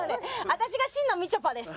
私が真のみちょぱです。